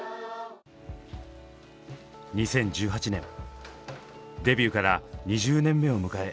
２０１８年デビューから２０年目を迎え